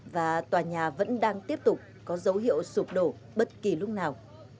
và tòa nhà vẫn đang tiếp tục có dấu hiệu sụp đổ bất kỳ lúc nào